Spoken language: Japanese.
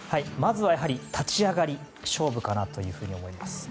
まずは立ち上がりが勝負かなと思います。